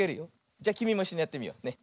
じゃきみもいっしょにやってみようね。